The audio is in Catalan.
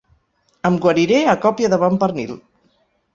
Em guariré a còpia de bon pernil.